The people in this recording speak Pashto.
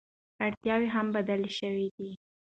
اړتیاوې هم بدلې شوې دي.